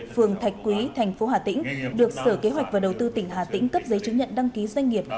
phường thạch quý thành phố hà tĩnh được sở kế hoạch và đầu tư tỉnh hà tĩnh cấp giấy chứng nhận đăng ký doanh nghiệp